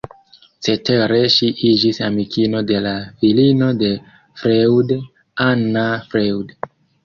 Cetere ŝi iĝis amikino de la filino de Freud, Anna Freud.